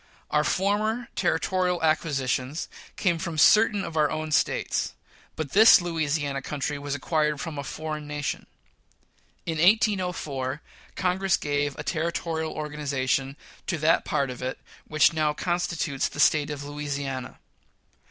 Our former territorial acquisitions came from certain of our own States; but this Louisiana country was acquired from a foreign nation. In 1804, Congress gave a territorial organization to that part of it which now constitutes the State of Lousiana.